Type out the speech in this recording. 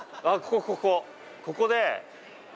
ここここここ。